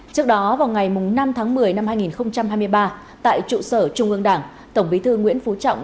trước đó vào ngày năm tháng một mươi năm hai nghìn hai mươi ba tại trụ sở trung ương đảng tổng bí thư nguyễn phú trọng